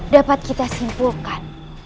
dapat kita simpulkan